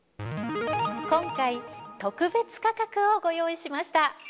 今回特別価格をご用意しました。